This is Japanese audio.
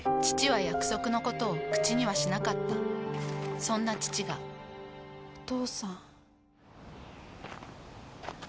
父は約束のことを口にはしなかったそんな父がお父さん。